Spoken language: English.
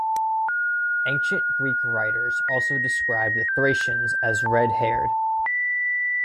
Ancient Greek writers also described the Thracians as red haired.